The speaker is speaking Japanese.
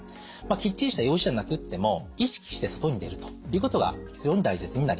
きっちりした用事じゃなくっても意識して外に出るということが非常に大切になります。